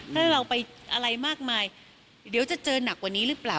ถ้าเราไปอะไรมากมายเดี๋ยวจะเจอหนักกว่านี้หรือเปล่า